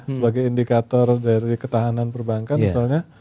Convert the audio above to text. sebagai indikator dari ketahanan perbankan misalnya